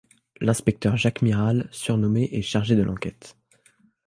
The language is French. L'inspecteur Jacques Miral, surnommé est chargé de l'enquête.